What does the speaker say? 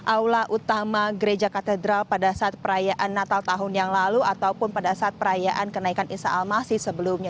aula utama gereja katedral pada saat perayaan natal tahun yang lalu ataupun pada saat perayaan kenaikan isa al masih sebelumnya